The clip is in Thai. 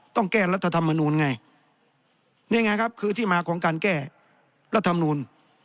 แก้รัฐธรรมนูลไงนี่ไงครับคือที่มาของการแก้รัฐมนูล